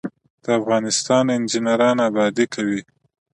د افغانستان انجنیران ابادي کوي